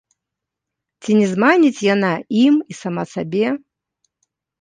Ці не зманіць яна ім і сама сабе?